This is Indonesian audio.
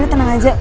udah tenang aja